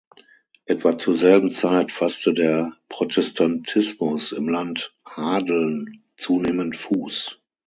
Etwa zur selben Zeit fasste der Protestantismus im Land Hadeln zunehmend Fuß.